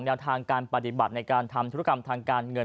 แนวทางการปฏิบัติในการทำธุรกรรมทางการเงิน